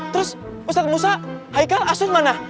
terus ustadz musa haikal asung mana